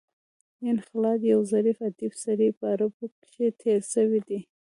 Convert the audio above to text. ابن خلاد یو ظریف ادیب سړی په عربو کښي تېر سوى دﺉ.